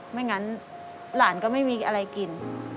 ไม่งั้นหลานก็ไม่มีอะไรกิน